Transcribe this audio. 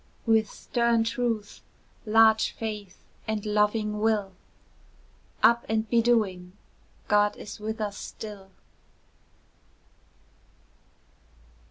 with stern truth, large faith, and loving will! Up and be doing! God is with us still.